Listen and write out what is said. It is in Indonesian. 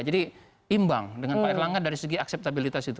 jadi imbang dengan pak erlangga dari segi akseptabilitas itu